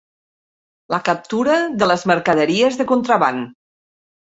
La captura de les mercaderies de contraban.